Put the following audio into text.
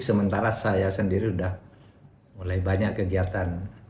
sementara saya sendiri sudah mulai banyak kegiatan